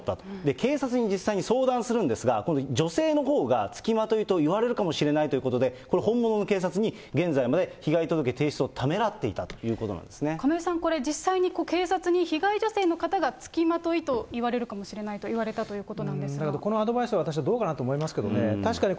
警察に実際に相談するんですが、今度、女性のほうが付きまといと言われるかもしれないということで、これ、本物の警察に、現在まで被害届提出をためらっていたということな亀井さん、これ、実際に警察に被害女性の方が付きまといと言われるかもしれないとだけど、このアドバイスは私はどうかなと思いますけどね。